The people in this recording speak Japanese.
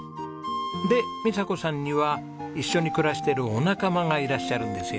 で美佐子さんには一緒に暮らしているお仲間がいらっしゃるんですよね。